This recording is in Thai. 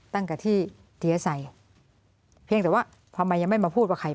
ตั้งแต่ที่เตี๊ยใส่เพียงแต่ว่าทำไมยังไม่มาพูดว่าใคร